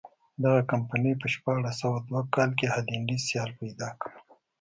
دغې کمپنۍ په شپاړس سوه دوه کال کې هالنډی سیال پیدا کړ.